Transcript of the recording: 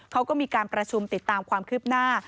เขาก็มีการประชุมติดตามความคืบหน้า